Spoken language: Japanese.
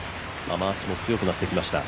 雨足も強くなってきました。